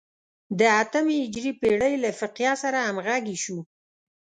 د اتمې هجري پېړۍ له فقیه سره همغږي شو.